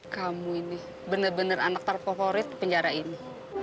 kamu ini benar benar anak terfavorit penjara ini